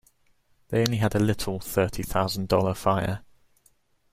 They only had a little thirty thousand dollar fire.